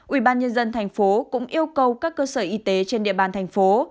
ủy ban nhân dân thành phố cũng yêu cầu các cơ sở y tế trên địa bàn thành phố